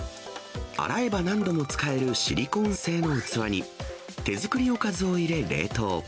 洗えば何度も使えるシリコーン製の器に、手作りおかずを入れ、冷凍。